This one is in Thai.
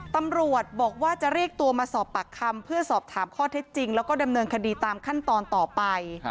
ตำรวจบอกว่าจะเรียกตัวมาสอบปากคำเพื่อสอบถามข้อเท็จจริงแล้วก็ดำเนินคดีตามขั้นตอนต่อไป